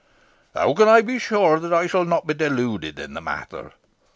"How can I be sure that I shall not be deluded in the matter?"